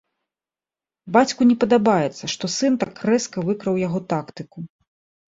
Бацьку не падабаецца, што сын так рэзка выкрыў яго тактыку.